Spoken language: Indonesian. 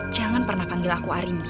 jangan pernah panggil aku arimbi